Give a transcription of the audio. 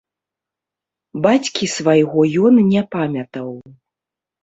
Бацькі свайго ён не памятаў.